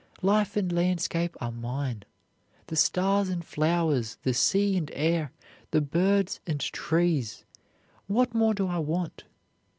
Life and landscape are mine, the stars and flowers, the sea and air, the birds and trees. What more do I want?